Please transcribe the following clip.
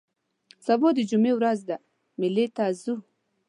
سبا د جمعې ورځ ده مېلې ته ځو